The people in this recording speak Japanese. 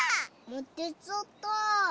まけちゃった。